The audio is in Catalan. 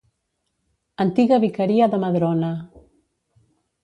Antiga vicaria de Madrona.